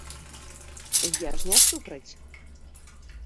Я ж не супраць!